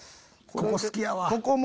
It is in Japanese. ここ好きやわ。